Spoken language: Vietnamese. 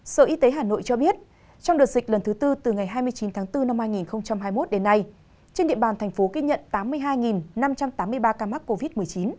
sở y tế hà nội cho biết trong đợt dịch lần thứ tư từ ngày hai mươi chín tháng bốn năm hai nghìn hai mươi một đến nay trên địa bàn thành phố ghi nhận tám mươi hai năm trăm tám mươi ba ca mắc covid một mươi chín